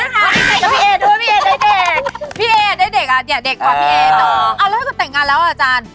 สรุปแล้วเดือนสิงหาคม